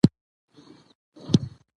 افغانستان په سیندونه باندې تکیه لري.